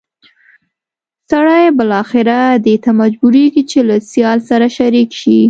سړی بالاخره دې ته مجبورېږي چې له سیال سره شریک شي.